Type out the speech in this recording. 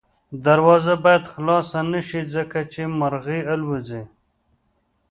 دروازه باید خلاصه نه شي ځکه چې مرغۍ الوځي.